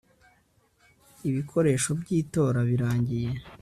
ibikoresho by itora birangiye